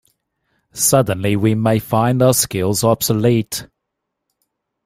Suddenly we may find our skills are obsolete.